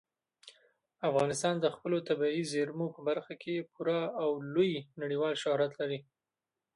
افغانستان د خپلو طبیعي زیرمو په برخه کې پوره او لوی نړیوال شهرت لري.